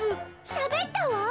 しゃべったわ。